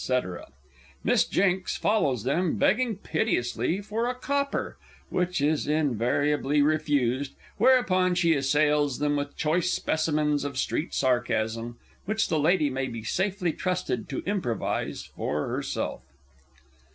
_; Miss JINKS _follows them, begging piteously for a copper, which is invariably refused, whereupon she assails them with choice specimens of street sarcasm which the Lady may be safely trusted to improvise for herself_.